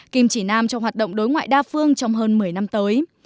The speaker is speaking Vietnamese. kìm chỉ nam trong hoạt động đối ngoại đa phương trong hơn một mươi năm tới